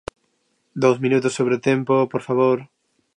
Dous minutos sobre o tempo, ¡por favor!